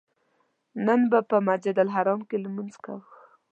نن به په مسجدالحرام کې لمونځ کوو.